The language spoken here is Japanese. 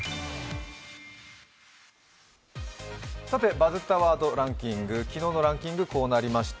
「バズったワードランキング」、昨日のランキング、こうなりました。